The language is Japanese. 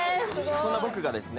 そんな僕がですね